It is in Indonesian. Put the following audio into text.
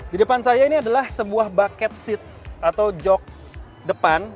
di depan saya ini adalah sebuah bucket seat atau jok depan